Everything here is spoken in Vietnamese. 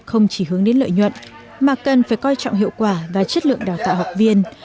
không chỉ hướng đến lợi nhuận mà cần phải coi trọng hiệu quả và chất lượng đào tạo học viên